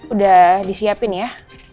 udah disiapin ya